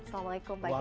assalamualaikum pak kiai